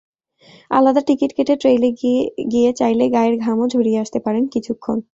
আলাদা টিকিট কেটে ট্রেইলে গিয়ে চাইলে গায়ের ঘামও ঝরিয়ে আসতে পারেন কিছুক্ষণ।